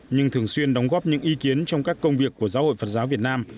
nhưng thường xuyên đóng góp những ý kiến trong các công việc của giáo hội phật giáo việt nam